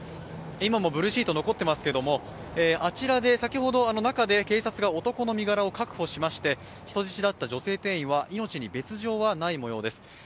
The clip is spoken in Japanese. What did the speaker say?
今もブルーシート残ってますけれども、あちらで先ほど、中で警察が男の身柄を確保しまして人質だった女性店員は命に別状はない模様です。